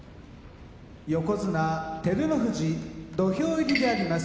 横綱照ノ富士土俵入りであります。